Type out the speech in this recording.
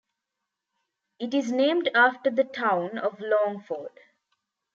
It is named after the town of Longford.